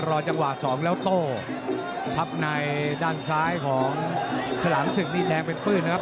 รอจังหวะสองแล้วโต้พับในด้านซ้ายของฉลามศึกนี่แดงเป็นปื้นนะครับ